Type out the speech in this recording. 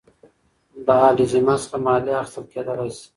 د اهل الذمه څخه مالیه اخیستل کېدلاى سي.